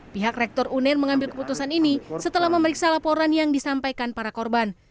pihak rektor uner mengambil keputusan ini setelah memeriksa laporan yang disampaikan para korban